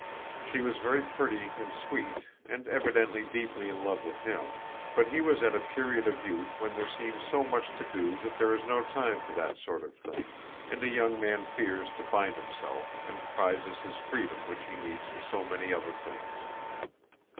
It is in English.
She was very pretty and sweet, and evidently deeply in love with him, but he was at the period of youth when there seems so much to do that there is no time for that sort of thing and a young man fears to bind himself and prizes his freedom which he needs for so many other things.